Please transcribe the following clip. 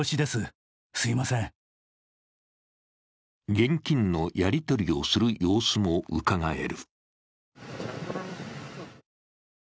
現金のやり取りをする様子もうかがえる。